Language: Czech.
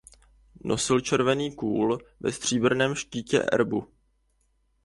Nosili červený kůl ve stříbrném štítě erbu.